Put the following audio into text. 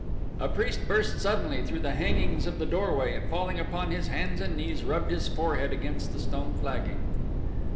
A priest burst suddenly through the hangings of the doorway and falling upon his hands and knees rubbed his forehead against the stone flagging.